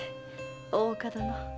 大岡殿。